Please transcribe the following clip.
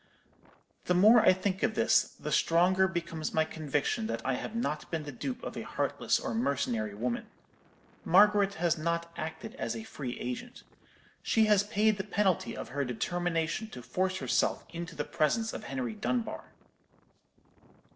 "The more I think of this, the stronger becomes my conviction that I have not been the dupe of a heartless or mercenary woman. Margaret has not acted as a free agent. She has paid the penalty of her determination to force herself into the presence of Henry Dunbar.